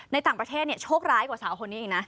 ในต่างประเทศโชคร้ายกว่าสาวคนนี้อีกนะ